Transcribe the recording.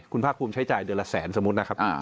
คุณภาคภูมิใช้จ่ายเดือนละแสนสมมุตินะครับ